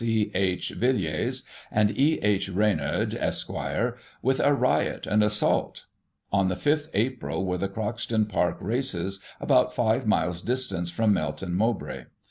C. H. Villiers, and E. H. Reynard, Esq., with a riot and assault On the 5th April were the Croxton Park races, about five miles distance from Melton Mowbray.